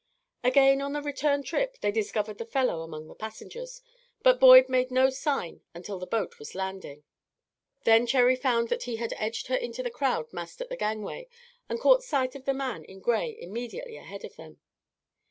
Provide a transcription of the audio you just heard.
Again on the return trip they discovered the fellow among the passengers, but Boyd made no sign until the boat was landing. Then Cherry found that he had edged her into the crowd massed at the gangway, and caught sight of the man in gray immediately ahead of them.